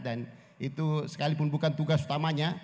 dan itu sekalipun bukan tugas utamanya